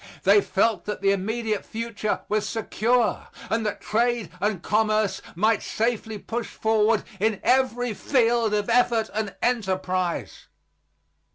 They felt that the immediate future was secure, and that trade and commerce might safely push forward in every field of effort and enterprise.